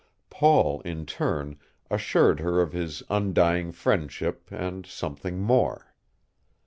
Paul, in turn, assured her of his undying friendship and something more.